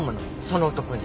その男に。